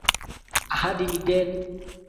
Ahadi ni deni